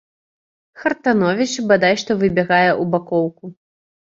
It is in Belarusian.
Хартановіч бадай што выбягае ў бакоўку.